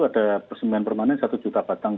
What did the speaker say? ada persembahan permanen satu juta batang